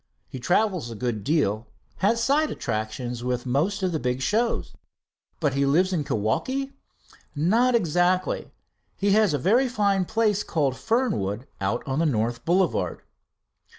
He travels a good deal has side attractions with most of the big shows." "But he lives in Kewaukee?" "Not exactly. He has a very fine place called Fernwood, out on the North Boulevard."